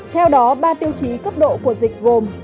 theo đó ba tiêu chí cấp độ của dịch gồm